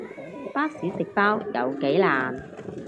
巴士食包有幾難